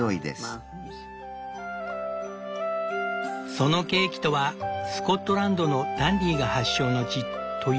そのケーキとはスコットランドのダンディーが発祥の地というダンディーケーキ。